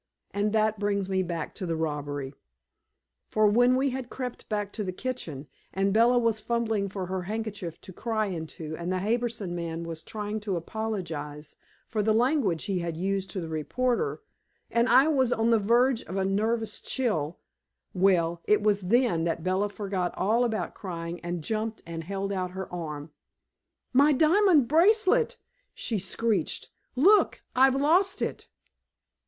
And that brings me back to the robbery. For when we had crept back to the kitchen, and Bella was fumbling for her handkerchief to cry into and the Harbison man was trying to apologize for the language he had used to the reporter, and I was on the verge of a nervous chill well, it was then that Bella forgot all about crying and jumped and held out her arm. "My diamond bracelet!" she screeched. "Look, I've lost it."